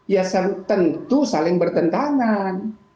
ya tentu saling bertentangan